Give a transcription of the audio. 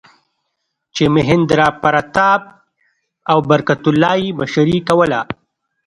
چې مهیندراپراتاپ او برکت الله یې مشري کوله.